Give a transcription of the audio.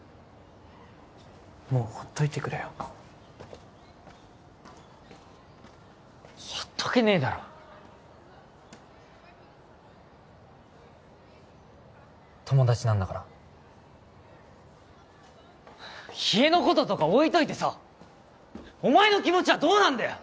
もうほっといてくれよほっとけねえだろ友達なんだから家のこととか置いといてさお前の気持ちはどうなんだよ！